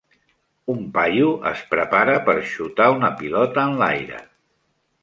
Un paio es prepara per xutar una pilota enlaire.